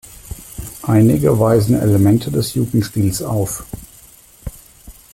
Einige weisen Elemente des Jugendstils auf.